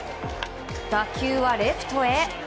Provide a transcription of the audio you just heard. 打球はレフトへ。